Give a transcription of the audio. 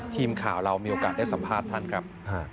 ทีมข่าวเรามีโอกาสได้สัมภาษณ์ท่านครับ